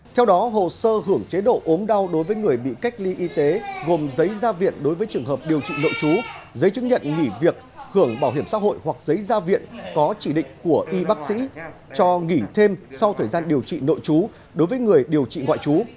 theo đó hồ sơ hưởng chế độ ốm đau đối với người bị cách ly y tế gồm giấy gia viện đối với trường hợp điều trị nội chú giấy chứng nhận nghỉ việc hưởng bảo hiểm xã hội hoặc giấy gia viện có chỉ định của y bác sĩ cho nghỉ thêm sau thời gian điều trị nội chú đối với người điều trị ngoại trú